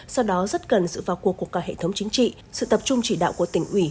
sau đó rất cần sự vào cuộc của cả hệ thống chính trị sự tập trung chỉ đạo của tỉnh ủy